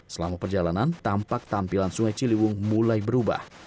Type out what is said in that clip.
selama perjalanan tampak tampilan sungai ciliwung mulai berubah